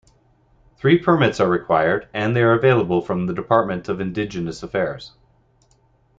Three permits are required and they are available from the Department of Indigenous Affairs.